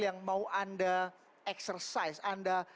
yang mau anda eksersis anda